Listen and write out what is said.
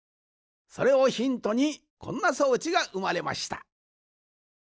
それをヒントにこんな装置がうまれました。